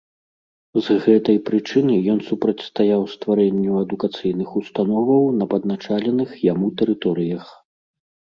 З гэтай прычыны ён супрацьстаяў стварэнню адукацыйных установаў на падначаленых яму тэрыторыях.